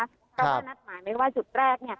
แล้วถ้านัดหมายไม่ว่าจุดแรก